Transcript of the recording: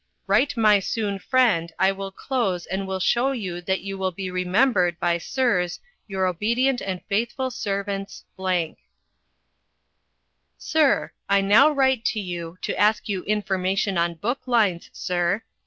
Wright my soon Frend I will close and will shew you that you will be remembered by Sirs Your Obedient & Fathful Servants ." "Sir: I now write to you to ask you information on book lines Sir.